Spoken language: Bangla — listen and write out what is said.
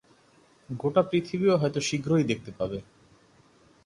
গোটা পৃথিবীও হয়তো শীঘ্রই দেখতে পাবে।